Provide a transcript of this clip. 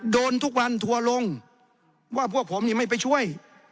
โดนทุกวันทัวร์ลงว่าพวกผมนี่ไม่ไปช่วย